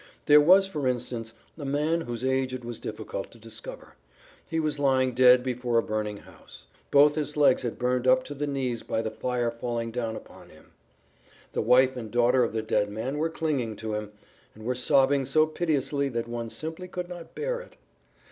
There was for instance a man whose age it was difficult to discover; he was lying dead before a burning house. Both his legs had been burnt up to the knees by the fire falling down upon him. The wife and daughter of the dead man were clinging to him, and were sobbing so piteously that one simply could not bear it.